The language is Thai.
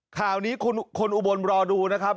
ข่าวนี้คนอุบลรอดูนะครับ